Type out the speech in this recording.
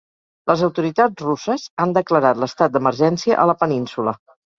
Les autoritats russes han declarat l’estat d’emergència a la península.